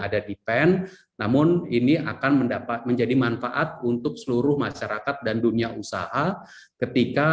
ada defend namun ini akan mendapat menjadi manfaat untuk seluruh masyarakat dan dunia usaha ketika